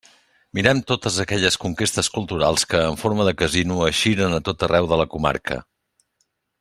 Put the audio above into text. Mirem totes aquelles conquestes culturals que en forma de casino eixiren a tot arreu de la comarca.